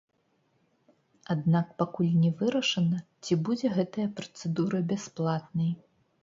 Аднак пакуль не вырашана, ці будзе гэтая працэдура бясплатнай.